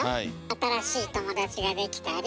新しい友達ができたり。